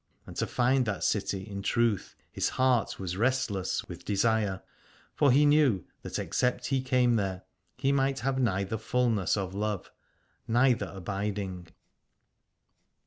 And to find that city in truth his heart was restless with desire, for he knew that except he came there he might have neither fulness of love, neither abiding.